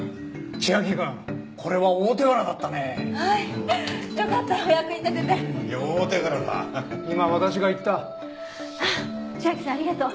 千秋さんありがとう。